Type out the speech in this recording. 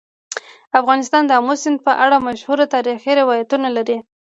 افغانستان د آمو سیند په اړه مشهور تاریخی روایتونه لري.